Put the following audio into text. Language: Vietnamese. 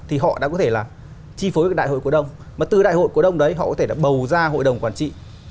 nó có thể là chi phối với đại hội cổ đông mà từ đại hội cổ đông đấy họ có thể bầu ra hội đồng quản trị